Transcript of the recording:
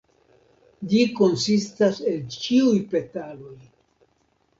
Ĝi konsistas el ĉiuj petaloj.